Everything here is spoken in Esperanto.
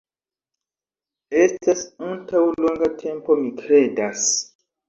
Estas antaŭ longa tempo, mi kredas